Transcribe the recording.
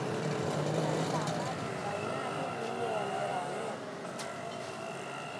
ฉันสามารถเห็นใบหน้าที่ยิ้มแย้มในเหล่าเมฆ